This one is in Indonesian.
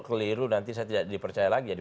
keliru nanti saya tidak dipercaya lagi jadi